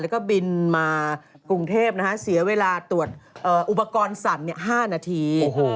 แล้วก็บินมากรุงเทพเสียเวลาตรวจอุปกรณ์สั่น๕นาที